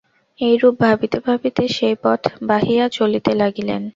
এইরূপ ভাবিতে ভাবিতে সেই পথ বাহিয়া চলিতে লাগিলেন।